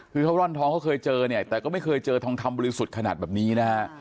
คือเขาร่อนทองเขาเคยเจอเนี่ยแต่ก็ไม่เคยเจอทองคำบริสุทธิ์ขนาดแบบนี้นะฮะ